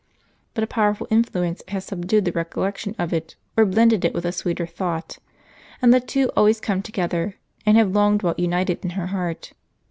But a powerful influence has subdued the recollection of it, or blended it with a sweeter thought ; and the two always come together, and have long dwelt united in her heart.